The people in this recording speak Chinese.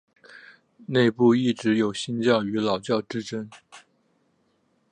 内部一直有新教与老教之争。